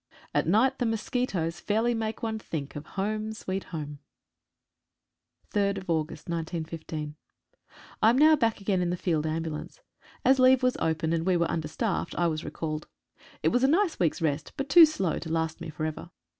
At night the mosquitoes fairly make one think of "Home, Sweet Home." AM now back again in the Field Ambulance. As leave was open, and we were understaffed, I was recalled. It was a nice week's rest, but too slow to last me for ever.